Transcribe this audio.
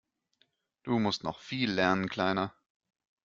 Du musst noch viel lernen, Kleiner!